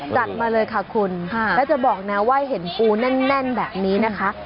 จัดมาเลยค่ะคุณแล้วจะบอกนะว่าเห็นปูแน่นแบบนี้นะคะ